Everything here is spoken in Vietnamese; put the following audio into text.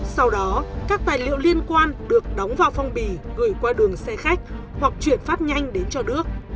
sau đó các tài liệu liên quan được đóng vào phong bì gửi qua đường xe khách hoặc chuyển phát nhanh đến cho đức